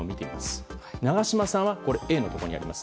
長島さんはＡのところにあります